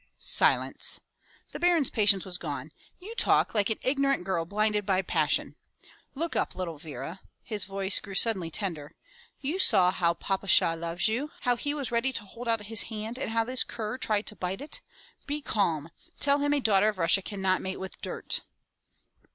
'' "Silence!" The Baron's patience was gone. "You talk like an ignorant girl blinded by passion. Look up, little Vera." His voice grew suddenly tender. "You saw how papasha loves you, how he was ready to hold out his hand and how this cur tried to bite it! Be calm! Tell him a daughter of Russia cannot mate with dirt!"